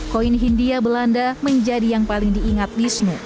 koin hindia belanda menjadi yang paling diingat wisnu